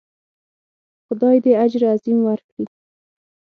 خدای دې اجر عظیم ورکړي.